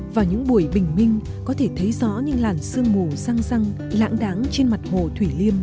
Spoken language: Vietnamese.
vào những buổi bình minh có thể thấy rõ những làn sương mù răng răng lãng đáng trên mặt mặt